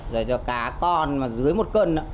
rồi cho cá con dưới một cân